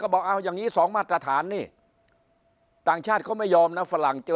บอกเอาอย่างนี้๒มาตรฐานนี่ต่างชาติเขาไม่ยอมนะฝรั่งเจอ